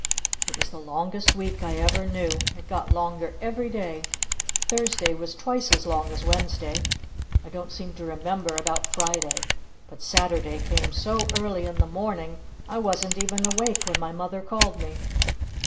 It was the longest week I ever knew! It got longer every day! Thursday was twice as long as Wednesday! I don't seem to remember about Friday! But Saturday came so early in the morning I wasn't even awake when my Mother called me!